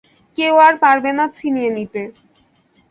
কেউ আর পারবে না ছিনিয়ে নিতে।